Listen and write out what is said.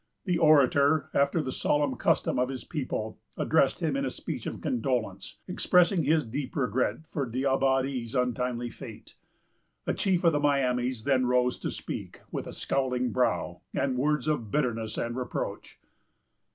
The orator, after the solemn custom of his people, addressed him in a speech of condolence, expressing his deep regret for D'Abbadie's untimely fate. A chief of the Miamis then rose to speak, with a scowling brow, and words of bitterness and reproach.